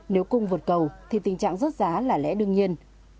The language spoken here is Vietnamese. nếu cung vượt cầu thì tình trạng rớt giá là lẽ đương nhiên